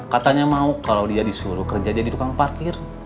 katanya mau kalau dia disuruh kerja jadi tukang parkir